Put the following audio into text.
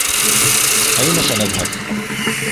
أين سنذهب؟